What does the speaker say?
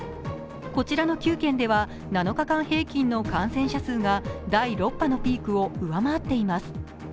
こちらの９県では７日間平均の感染者数が第６波のピークを上回っています。